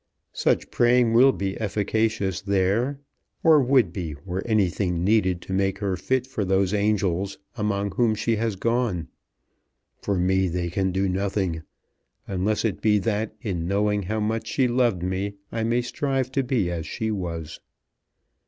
"Such praying will be efficacious there, or would be were anything needed to make her fit for those angels among whom she has gone. For me they can do nothing, unless it be that in knowing how much she loved me I may strive to be as she was."